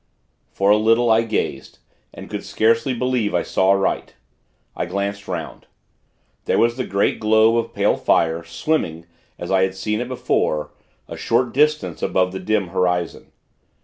For a little, I gazed, and could scarcely believe I saw aright. I glanced 'round. There was the great globe of pale fire, swimming, as I had seen it before, a short distance above the dim horizon.